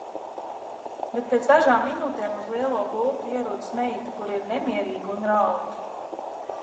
Bet pēc dažām minūtēm uz lielo gultu ierodas meita, kura ir nemierīga un raud.